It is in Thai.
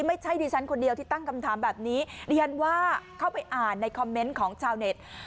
ไม่ใช่ดิฉันคนเดียวที่ตั้งคำถามแบบนี้ดิฉันว่าเข้าไปอ่านในคอมเมนต์ของชาวเน็ต